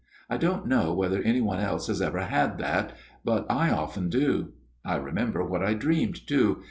I don't know whether any one else has ever had that ; but I often do. I remember what I dreamed, too.